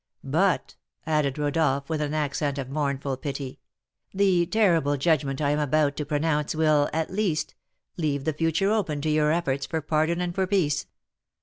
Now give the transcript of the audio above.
But," added Rodolph, with an accent of mournful pity, "the terrible judgment I am about to pronounce will, at least, leave the future open to your efforts for pardon and for peace.